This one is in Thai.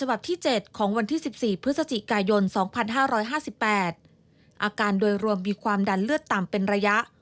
อาการโดยรวมมีความดันเลือดตามเป็นระยะ